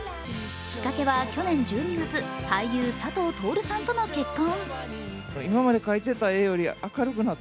きっかけは去年１２月俳優・佐藤達さんとの結婚。